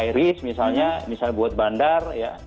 high risk misalnya misalnya buat bandar ya